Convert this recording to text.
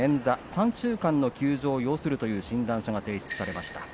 ３週間の休場を要するという診断書が提出されました。